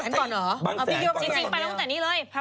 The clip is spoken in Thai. ไหลจากบังแสงไปตัวปัทยาต่อ